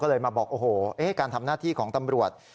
ก็เลยมาบอกโอ้โหการทำหน้าที่ของตำรวจ